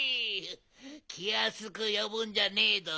きやすくよぶんじゃねえど。